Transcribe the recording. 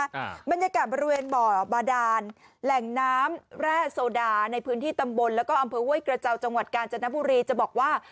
อ่าบรรยากาศบริเวณบ่อบาดานแหล่งน้ำแร่โซดาในพื้นที่ตำบลแล้วก็อำเภอห้วยกระเจ้าจังหวัดกาญจนบุรีจะบอกว่า